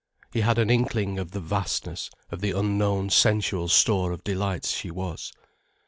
He had an inkling of the vastness of the unknown sensual store of delights she was.